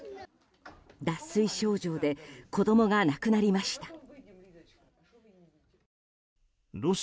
脱水症状で子供が亡くなりました。